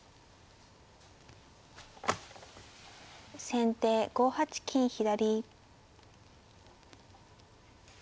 先手５八金左。